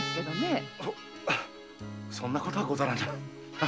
そそんなことはござらぬ。